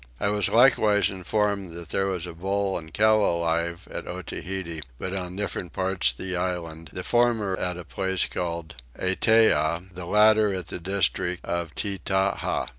I was likewise informed that there was a bull and a cow alive at Otaheite but on different parts of the island, the former at a place called Itteah, the latter at the district of Tettaha.